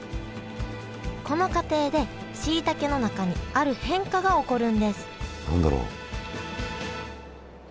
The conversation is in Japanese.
この過程でしいたけの中にある変化が起こるんです何だろう？